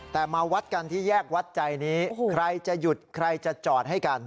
แต่มาวัดกันที่แยกวัดใจนี้ใครจะหยุดใครจะจอดให้กัน